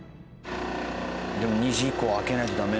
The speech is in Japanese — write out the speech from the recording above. でも２時以降あけないとダメ。